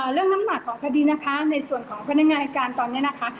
น้ำหนักของคดีนะคะในส่วนของพนักงานอายการตอนนี้นะคะ